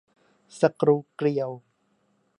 สกรูเกลียว